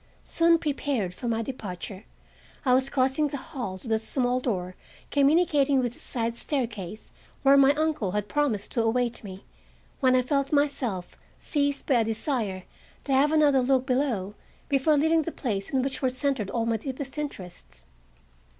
Soon prepared for my departure, I was crossing the hall to the small door communicating with the side staircase where my uncle had promised to await me, when I felt myself seized by a desire to have another look below before leaving the place in which were centered all my deepest interests.